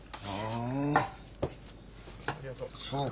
ありがとう。